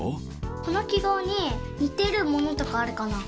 このきごうににてるものとかあるかな。